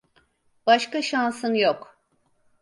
Başka şansın yok.